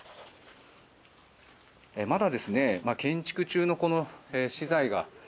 まだ建築中の資材が。